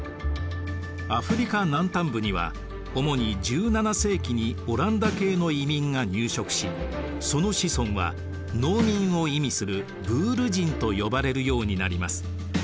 アフリカ南端部には主に１７世紀にオランダ系の移民が入植しその子孫は農民を意味するブール人と呼ばれるようになります。